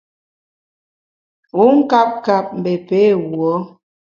Wu nkap kap, mbé pé wuo ?